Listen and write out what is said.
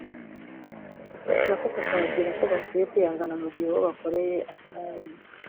nako kakababwira ko bakwiye kwihangana mu gihe uwo bakoreye ataraboneka